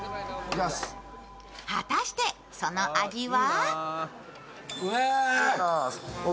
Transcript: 果たして、その味は？